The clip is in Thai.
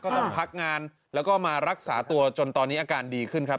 ต้องพักงานแล้วก็มารักษาตัวจนตอนนี้อาการดีขึ้นครับ